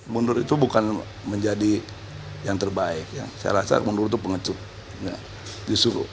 mundur itu bukan menjadi yang terbaik saya rasa mundur itu pengecut justru